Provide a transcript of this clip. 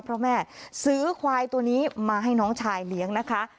เพราะแม่ซื้อควายตัวนี้มาให้น้องชายเลี้ยงนะคะ